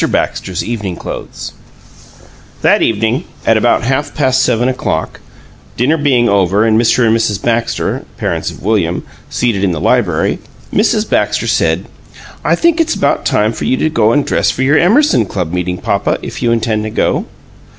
BAXTER'S EVENING CLOTHES That evening, at about half past seven o'clock, dinner being over and Mr. and Mrs. Baxter (parents of William) seated in the library, Mrs. Baxter said: "I think it's about time for you to go and dress for your Emerson Club meeting, papa, if you intend to go."